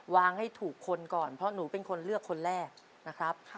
ให้ถูกคนก่อนเพราะหนูเป็นคนเลือกคนแรกนะครับ